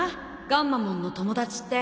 ガンマモンの友達って